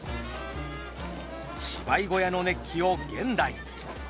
芝居小屋の熱気を現代に。